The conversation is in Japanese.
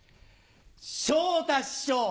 昇太師匠！